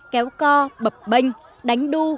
kéo co bập bênh đánh đu